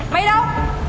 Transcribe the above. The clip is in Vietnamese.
mày đi đâu